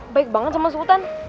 baik banget sama sultan